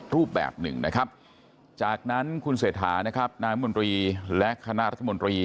ดังนั้นคุณเสธานะครับนายมดและคณะรัฐมนตรี